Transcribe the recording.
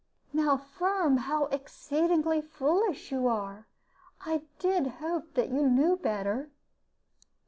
"Now, Firm, how exceedingly foolish you are! I did hope that you knew better."